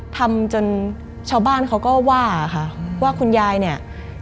ทำจนชาวบ้านเขาก็ว่าค่ะว่าคุณยายเนี่ย